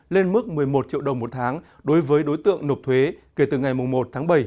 lên mức một mươi một triệu đồng một tháng đối với đối tượng nộp thuế kể từ ngày một tháng bảy